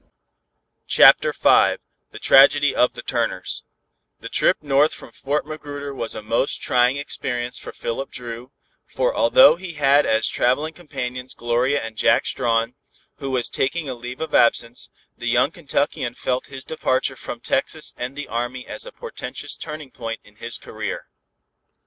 CHAPTER V THE TRAGEDY OF THE TURNERS The trip north from Fort Magruder was a most trying experience for Philip Dru, for although he had as traveling companions Gloria and Jack Strawn, who was taking a leave of absence, the young Kentuckian felt his departure from Texas and the Army as a portentous turning point in his career.